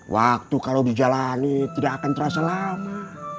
waktu kalau dijalani tidak akan terasa lama